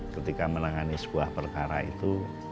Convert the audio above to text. ketika menangani sebuah perkara itu